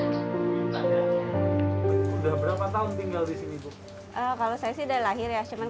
sudah berapa tahun tinggal di sini